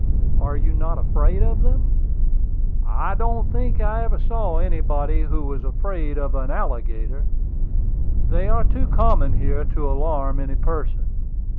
"Are you not afraid of them?" "I don't think I ever saw anybody who was afraid of an alligator; they are too common here to alarm any person.